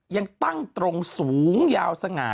ยังตั้งตรงสูงยาวสง่า